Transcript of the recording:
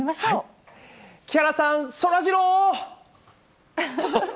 木原さん、そらジロー。